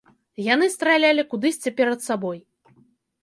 Яны стралялі кудысьці перад сабой.